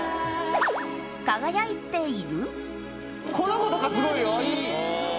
輝いている？